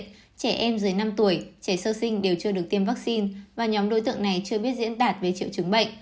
trẻ em dưới năm tuổi trẻ sơ sinh đều chưa được tiêm vaccine và nhóm đối tượng này chưa biết diễn đạt về triệu chứng bệnh